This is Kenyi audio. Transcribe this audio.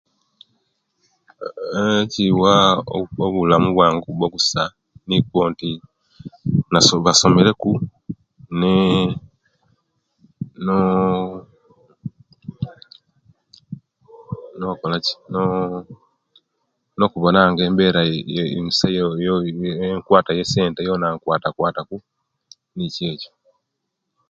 Eeh Ekiwa obulamu wange okuba kusa, nikwo nti baso nasomesomereku nii noo nokolaki nooo nokubona nga embera eyeee nsa eyoo enkwata yessente yoona nkwatakwataku nikyo ekyo.